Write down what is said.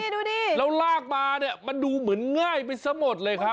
เจ็บจริงแล้วลากมามันดูเหมือนง่ายไปซะหมดเลยครับ